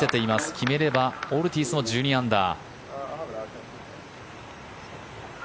決めればオルティーズも１２アンダー。